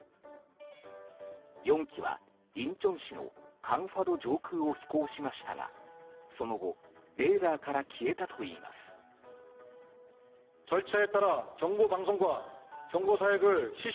４機はインチョン市のカンファド上空を飛行しましたがその後、レーダーから消えたといいます。